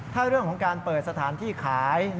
ถ้าเรื่องของการเปิดสถานที่ขาย